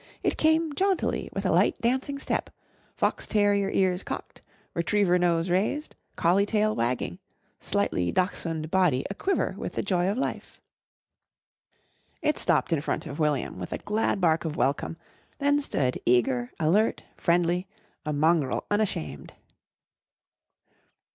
It came jauntily with a light, dancing step, fox terrier ears cocked, retriever nose raised, collie tail wagging, slightly dachshund body a quiver with the joy of life. It stopped in front of William with a glad bark of welcome, then stood eager, alert, friendly, a mongrel unashamed.